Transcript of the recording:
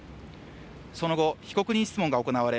その後被告人質問が行われ